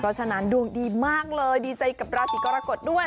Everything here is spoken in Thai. เพราะฉะนั้นดวงดีมากเลยดีใจกับราศีกรกฎด้วย